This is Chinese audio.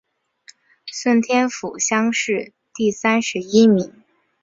顺天府乡试第三十一名。